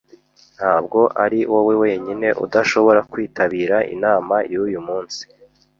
Ntabwo ari wowe wenyine udashobora kwitabira inama yuyu munsi.